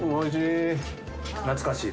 懐かしいで。